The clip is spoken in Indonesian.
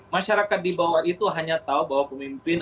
masyarakat di bawah itu hanya tahu bahwa pemimpin